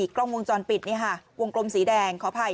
กล้องวงจรปิดนะคะวงกลมสีแดง